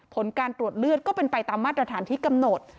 ผลการตรวจเลือดก็เป็นไปตามมาตรฐานที่กำหนด